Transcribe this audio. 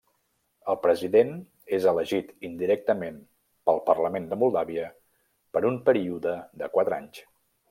El president és elegit indirectament pel Parlament de Moldàvia per un període de quatre anys.